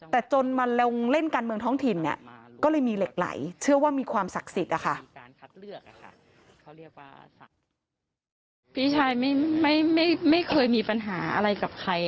แต่จนมาลงเล่นการเมืองท้องถิ่นเนี่ยก็เลยมีเหล็กไหลเชื่อว่ามีความศักดิ์สิทธิ์อะค่ะ